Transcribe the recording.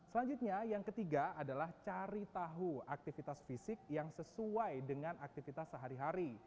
selanjutnya yang ketiga adalah cari tahu aktivitas fisik yang sesuai dengan aktivitas sehari hari